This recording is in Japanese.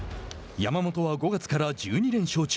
山本は５月から１２連勝中。